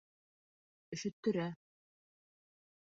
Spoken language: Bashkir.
Өшөттөрә